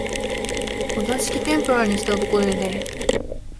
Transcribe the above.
お座敷天婦羅にしたところで、